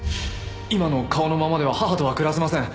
今の顔のままでは母とは暮らせません。